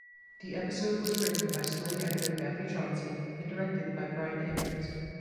The episode was written by story editor Matthew Chauncey and directed by Bryan Andrews.